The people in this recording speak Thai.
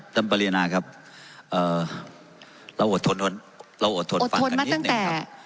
ท่านบรินาครับเอ่อเราอดทนเราอดทนฟังกันนิดหนึ่งครับอดทนมาตั้งแต่